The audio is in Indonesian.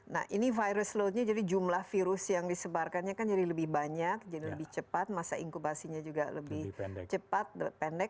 nah ini virus loadnya jadi jumlah virus yang disebarkannya kan jadi lebih banyak jadi lebih cepat masa inkubasinya juga lebih cepat pendek